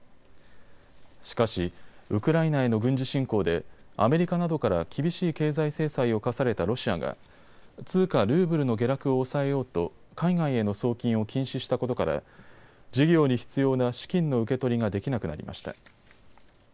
しかしウクライナへの軍事侵攻でアメリカなどから厳しい経済制裁を科されたロシアが通貨ルーブルの下落を抑えようと海外への送金を禁止したことから事業に必要な資金の受け取りができなくなりました。